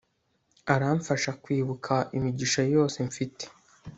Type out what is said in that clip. Aramfasha kwibuka imigisha yose mfite